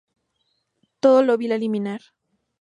Todo lo vil a eliminar.